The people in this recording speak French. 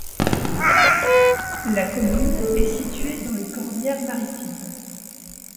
La commune est située dans les Corbières maritimes.